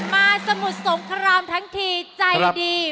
สมุทรสงครามทั้งทีใจดี